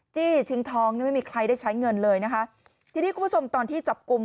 จี้ชิงทองนี่ไม่มีใครได้ใช้เงินเลยนะคะทีนี้คุณผู้ชมตอนที่จับกลุ่ม